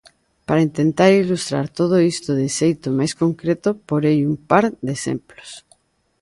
Para intentar ilustrar todo isto de xeito máis concreto porei un par de exemplos.